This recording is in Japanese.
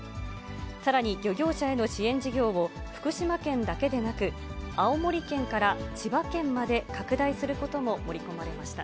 さらに漁業者への支援事業を、福島県だけでなく、青森県から千葉県まで拡大することも盛り込まれました。